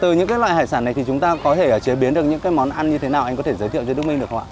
từ những loại hải sản này thì chúng ta có thể chế biến được những món ăn như thế nào anh có thể giới thiệu cho đức minh được không ạ